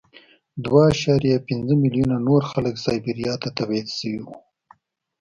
دوه اعشاریه پنځه میلیونه نور خلک سایبریا ته تبعید شوي وو